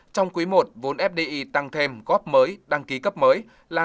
trong quý i vốn fdi tăng thêm góp mới đăng ký cấp mới là